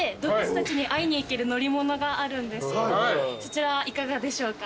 そちらいかがでしょうか。